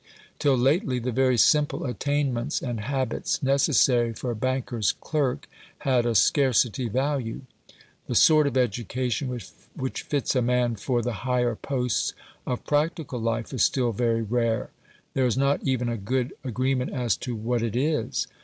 Till lately the very simple attainments and habits necessary for a banker's clerk had a scarcity value. The sort of education which fits a man for the higher posts of practical life is still very rare; there is not even a good agreement as to what it is.